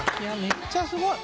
めっちゃすごい。